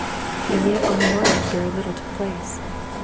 And yet on the morrow very little took place.